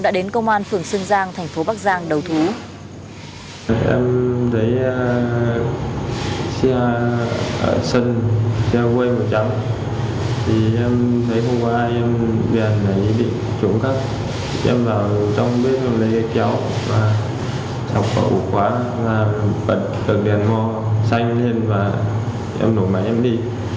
và bật cửa đèn ngon xanh lên và em đổ mạng em đi